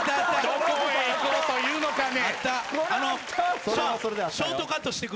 どこへ行こうというのかね」